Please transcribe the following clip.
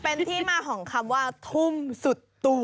เป็นที่มาของคำว่าทุ่มสุดตัว